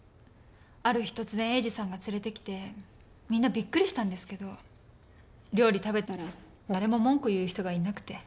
ある日突然栄治さんが連れてきてみんなびっくりしたんですけど料理食べたら誰も文句言う人がいなくて。